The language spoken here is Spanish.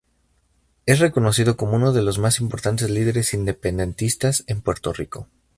Es reconocido como uno de los más importantes líderes independentistas en Puerto Rico.